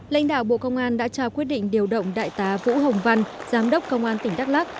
lãnh đạo bộ công an đã trao quyết định điều động đại tá vũ hồng văn giám đốc công an tỉnh đắk lắc